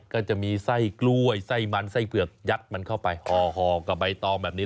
ก็จะมีไส้กล้วยไส้มันไส้เผือกยัดมันเข้าไปห่อกับใบตองแบบนี้